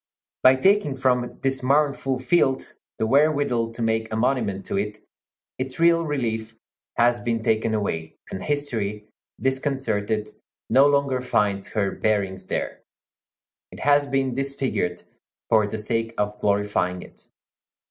By taking from this mournful field the wherewithal to make a monument to it, its real relief has been taken away, and history, disconcerted, no longer finds her bearings there. It has been disfigured for the sake of glorifying it.